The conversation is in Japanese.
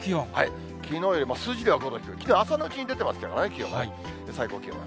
きのうよりも数字では５度低い、きのう朝のうちに出てますけどね、気温が、最高気温が。